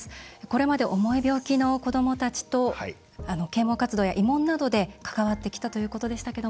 これまで重い病気の子どもたちと啓もう活動や慰問などで関わってきたということでしたけどもどうご覧になりましたか？